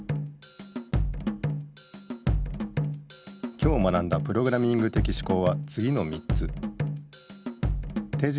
今日学んだプログラミング的思考はつぎの３つじかいも見るべし！